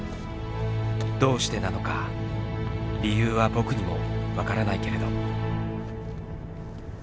どうしてなのか理由は「僕」にも分からないけれど。